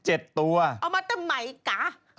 เอามาทำไมกะ